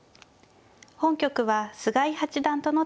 本局は菅井八段との対戦です。